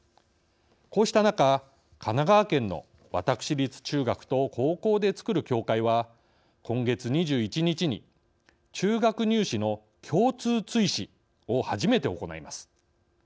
こうした中神奈川県の私立中学と高校でつくる協会は今月２１日に中学入試の共通追試を初めて行います。